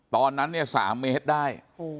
ตอนนั้น๓เมตรได้